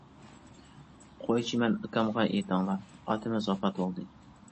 قويچىمەن ئاكامغا ئېيتىڭلار، ئاتىمىز ۋاپات بولدى!